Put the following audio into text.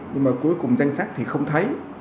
nhưng mà cuối cùng danh sách thì không thấy